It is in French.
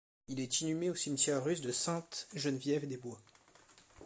Il est inhumé au cimetière russe de Sainte-Geneviève-des-Bois.